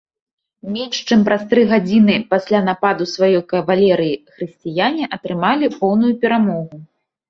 Менш чым праз тры гадзіны пасля нападу сваёй кавалерыі хрысціяне атрымалі поўную перамогу.